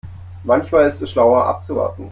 Manchmal ist es schlauer abzuwarten.